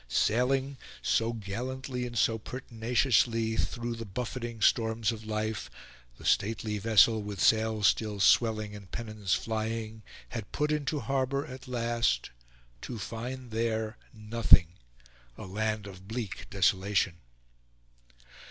Sailing, so gallantly and so pertinaciously, through the buffeting storms of life, the stately vessel, with sails still swelling and pennons flying, had put into harbour at last; to find there nothing a land of bleak desolation.